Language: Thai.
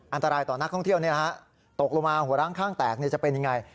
อันตรายต่อนักท่องเที่ยวตกลงมาหัวร้างข้างแตกจะเป็นยังไง